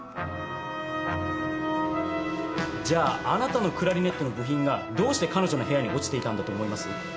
じゃああなたのクラリネットの部品がどうして彼女の部屋に落ちていたんだと思います？